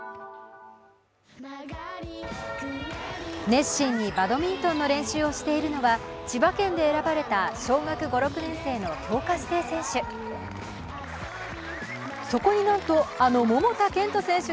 熱心にバドミントンの練習をしているのは千葉県で選ばれた小学５・６年生の強化指定選手。